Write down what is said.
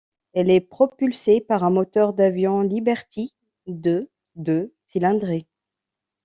Elle est propulsée par un moteur d'avion Liberty de de cylindrée.